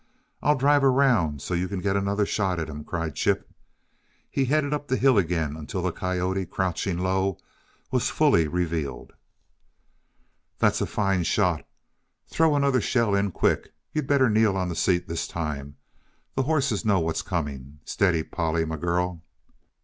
I'll drive around so you can get another shot at him," cried Chip. He headed up the hill again until the coyote, crouching low, was fully revealed. "That's a fine shot. Throw another shell in, quick! You better kneel on the seat, this time the horses know what's coming. Steady, Polly, my girl!"